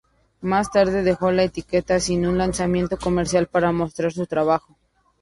Más tarde dejó la etiqueta sin un lanzamiento comercial para mostrar por su trabajo.